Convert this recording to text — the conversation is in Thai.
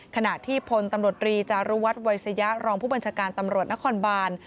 ขณะที่พลตำรวจรีจารุวัฒน์วัยสยะรองผู้บัญชาการตำรวจนครบาน